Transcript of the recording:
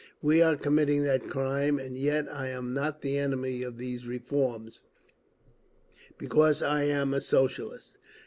We are committing that crime, and yet I am not the enemy of these reforms, because I am a Socialist."